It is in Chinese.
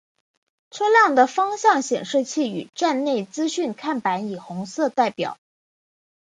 车辆的方向显示器与站内资讯看板以红色代表。